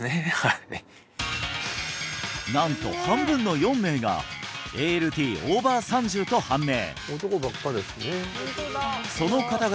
なんと半分の４名がＡＬＴｏｖｅｒ３０と判明！